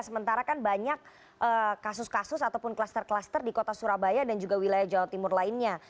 sementara kan banyak kasus kasus ataupun kluster kluster di kota surabaya dan juga wilayah jawa timur lainnya